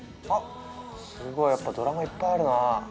すごいやっぱドラマいっぱいあるなあ。